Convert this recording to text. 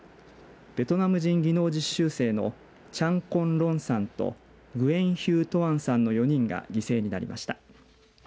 ベトナム人技能実習生のチャン・コン・ロンさんとグエン・ヒュー・トアンさんの４人が犠牲になりました。